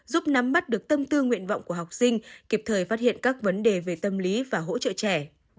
giúp nắm mắt được tâm tư nguyện vọng của học sinh kịp thời phát hiện các vấn đề về tâm lý và hỗ trợ trẻ